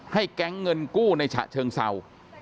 แก๊งเงินกู้ในฉะเชิงเศร้า